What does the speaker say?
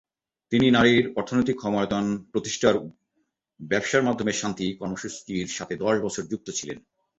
তিনি নারীর অর্থনৈতিক ক্ষমতায়ন প্রতিষ্ঠানের 'ব্যবসার মাধ্যমে শান্তি' কর্মসূচির সাথে দশ বছর যুক্ত ছিলেন।